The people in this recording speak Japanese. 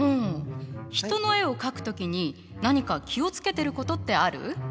人の絵を描く時に何か気を付けてることってある？